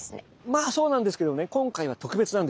まあそうなんですけどもね今回は特別なんですよ。